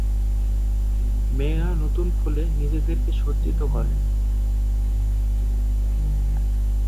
মেয়েরা নতুন ফুলে নিজেদেরকে সজ্জিত করেন।